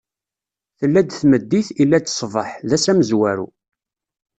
Tella-d tmeddit, illa-d ṣṣbeḥ: d ass amezwaru.